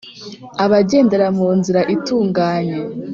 Abagendera mu nzira itunganye